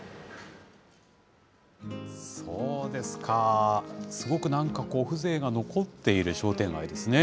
そうですか、すごくなんかこう、風情が残っている商店街ですね。